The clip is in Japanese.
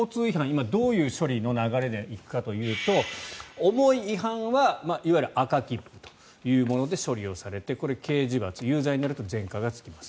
今どういう処理の流れで行くかというと重い違反はいわゆる赤切符というもので処理をされてこれは刑事罰有罪になると前科がつきます。